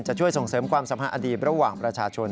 จะช่วยส่งเสริมความสำหรับอดีตระหว่างราชาชน